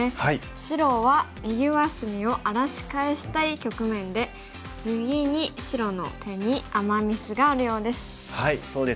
白は右上隅を荒らし返したい局面で次に白の手にアマ・ミスがあるようです。